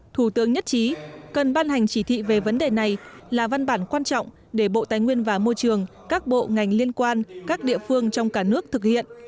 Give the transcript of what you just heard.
thủ tướng nhất trí cần ban hành chỉ thị về vấn đề này là văn bản quan trọng để bộ tài nguyên và môi trường các bộ ngành liên quan các địa phương trong cả nước thực hiện